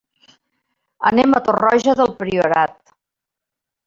Anem a Torroja del Priorat.